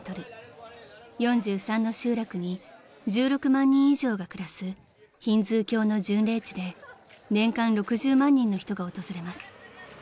［４３の集落に１６万人以上が暮らすヒンズー教の巡礼地で年間６０万人の人が訪れます］